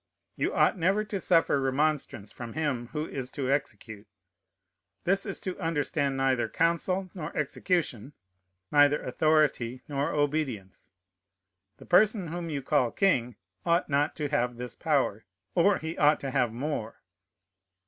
You ought never to suffer remonstrance from him who is to execute. This is to understand neither council nor execution, neither authority nor obedience. The person whom you call king ought not to have this power, or he ought to have more.